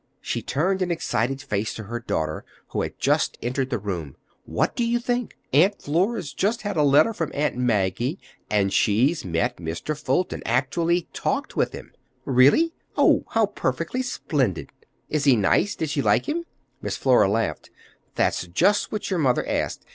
She turned an excited face to her daughter, who had just entered the room. "What do you think? Aunt Flora's just had a letter from Aunt Maggie, and she's met Mr. Fulton—actually talked with him!" "Really? Oh, how perfectly splendid! Is he nice? Did she like him?" Miss Flora laughed. "That's just what your mother asked.